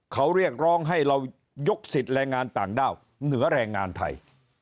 เขาเรียกร้องให้เรายกสิทธิ์แรงงานต่างด้าวเหนือแรงงานไทย